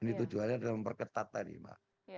ini tujuannya adalah memperketat tadi mbak